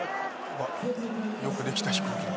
よくできた飛行機だ。